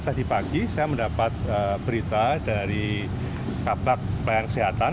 tadi pagi saya mendapat berita dari kabak pelayanan kesehatan